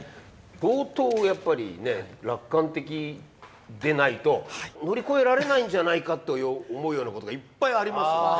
相当やっぱりね楽観的でないと乗り越えられないんじゃないかと思うようなことがいっぱいありますんで。